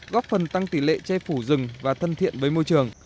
góp phần tăng tỷ lệ che phủ rừng và thân thiện với môi trường